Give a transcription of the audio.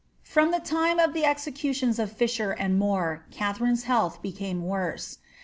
From the time of the exe* cutions of Fisher and More, Katharine's health became worse.